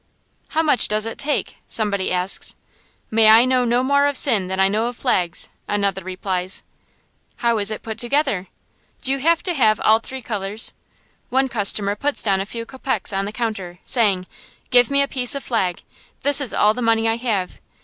"How much does it take?" somebody asks. "May I know no more of sin than I know of flags," another replies. "How is it put together?" "Do you have to have all three colors?" One customer puts down a few kopecks on the counter, saying, "Give me a piece of flag. This is all the money I have.